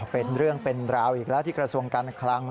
เป็นเรื่องเป็นราวอีกแล้วที่กระทรวงการคลัง